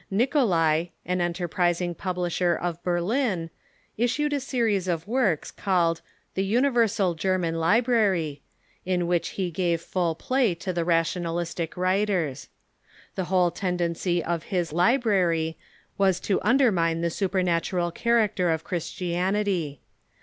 Ni 332 THE MODERN CHURCH colai, an enterprising publisher of Berlin, issued a series of works, called the "Universal German Library," in which he gave full play to the rationalistic Avriters. The whole tendency of his " Library " was to undermine the supernatural character of Christianity.